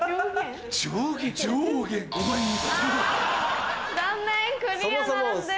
あ残念クリアならずです。